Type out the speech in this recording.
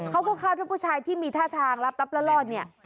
เขาก็คาดว่าผู้ชายที่มีท่าทางรับรับรอด